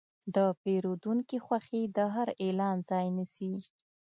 د پیرودونکي خوښي د هر اعلان ځای نیسي.